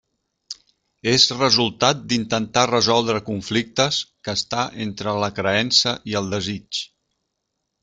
És resultat d'intentar resoldre conflictes que està entre la creença i el desig.